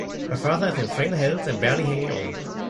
Her father is in frail health and barely hanging on.